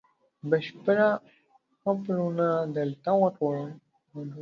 بشپړه خپرونه دلته وګورئ